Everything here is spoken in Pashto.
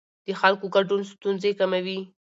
د خلکو ګډون ستونزې کموي